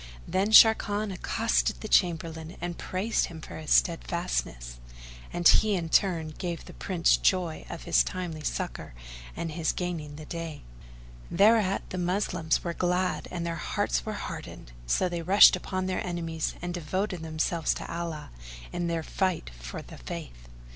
Then Sharrkan accosted the Chamberlain and praised him for his steadfastness; and he in turn gave the Prince joy of his timely succour and his gaining the day. Thereat the Moslems were glad and their hearts were heartened; so they rushed upon their enemies and devoted themselves to Allah in their Fight for the Faith.